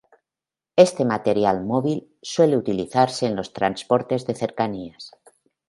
Este material móvil suele utilizarse en los transportes de Cercanías.